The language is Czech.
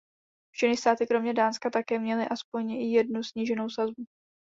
Všechny státy kromě Dánska také měly alespoň jednu sníženou sazbu.